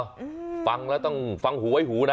อืมฟังแล้วต้องฟังหูไว้หูนะ